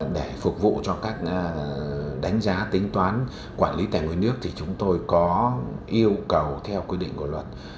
để phục vụ cho các đánh giá tính toán quản lý tài nguyên nước thì chúng tôi có yêu cầu theo quy định của luật